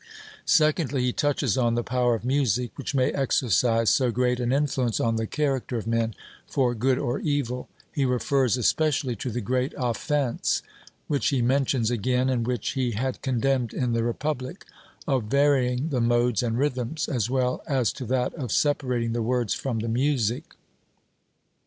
Secondly, he touches on the power of music, which may exercise so great an influence on the character of men for good or evil; he refers especially to the great offence which he mentions again, and which he had condemned in the Republic of varying the modes and rhythms, as well as to that of separating the words from the music.